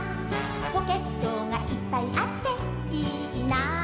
「ポケットがいっぱいあっていいな」